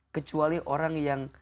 kecuali orang yang